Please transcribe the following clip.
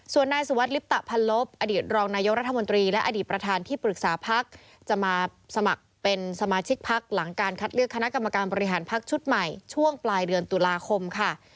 ส่วนนายสุวัสดิลิปตะพันลบอดีตรองนายกรัฐมนตรีและอดีตประธานที่ปรึกษาพักจะมาสมัครเป็นสมาชิกพักหลังการคัดเลือกคณะกรรมการบริหารพักชุดใหม่ช่วงปลายเดือนตุลาคมค่ะ